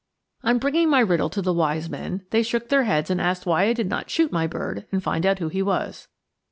On bringing my riddle to the wise men, they shook their heads and asked why I did not shoot my bird and find out who he was.